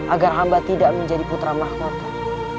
agar hamba tidak menjadi putra mahkota